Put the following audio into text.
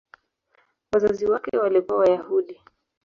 Wazazi wake walikuwa Wayahudi.